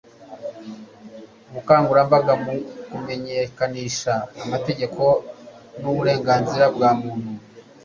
ubukangurambaga mu kumenyekanisha amategeko n uburenganzira bwa muntu